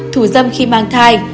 năm thủ dâm khi mang thai